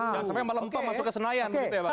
jangan sampai yang melempah masuk ke senayan gitu ya bang